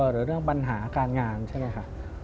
หรือเรื่องปัญหาการงานใช่ไหมคะ